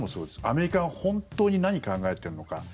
アメリカが本当に何を考えているのか。